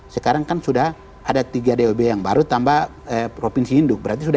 sekarang kan sudah ada tiga dob yang baru tambah provinsi induk berarti sudah